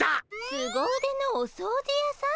すご腕のお掃除やさん？